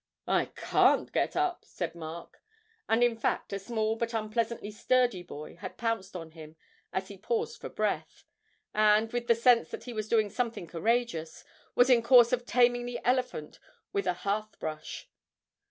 'I can't get up,' said Mark; and in fact a small but unpleasantly sturdy boy had pounced on him as he paused for breath, and, with the sense that he was doing something courageous, was in course of taming the elephant with a hearth brush.